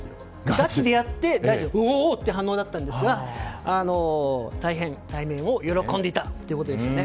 ガチでやって、大臣がおおお！って反応になったんですが大変、対面を喜んでいたということです。